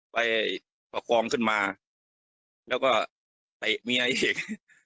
ไปประคองขึ้นมาแล้วก็เตะเมียอีก